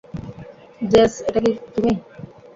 JS, এটা কি তুমি?